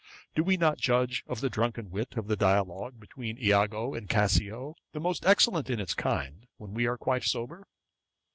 Do we not judge of the drunken wit, of the dialogue between Iago and Cassio, the most excellent in its kind, when we are quite sober?